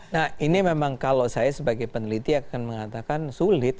nah ini memang kalau saya sebagai peneliti akan mengatakan sulit